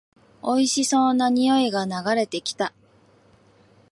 おいしそうな匂いが流れてきた